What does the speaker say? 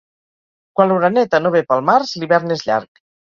Quan l'oreneta no ve pel març, l'hivern és llarg.